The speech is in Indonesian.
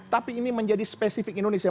tapi ini menjadi spesifik indonesia